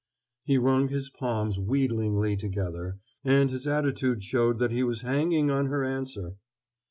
He wrung his palms wheedlingly together, and his attitude showed that he was hanging on her answer.